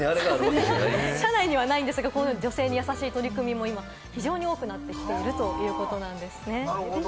車内にはないんですが、女性にやさしい取り組みも今、非常に多くなってきているということですね。